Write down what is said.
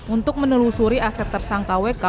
untuk menelusuri aset tersangka wk